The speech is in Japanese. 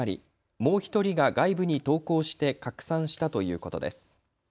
もう１人が外部に投稿して拡散したということです。